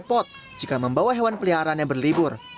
tapi repot jika membawa hewan peliharaannya berlibur